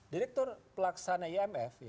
direktur pelaksana imf